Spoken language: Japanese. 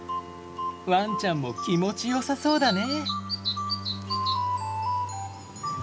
ワンちゃんも気持ちよさそうだね。